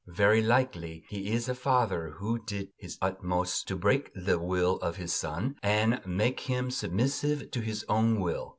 Very likely he is a father who did his utmost to break the will of his son and make him submissive to his own will.